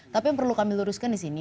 tapi yang perlu kami luruskan di sini